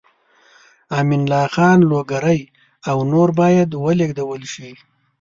امین الله خان لوګری او نور باید ولېږدول شي.